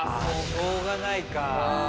しょうがないか。